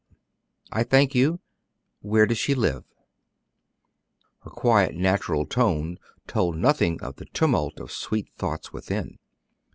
"I thank you. Where does she live?" Her quiet, natural tone told nothing of the tumult of sweet thoughts within.